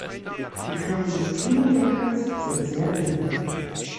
Die Knochen des Kiemendeckels sind sehr dünn.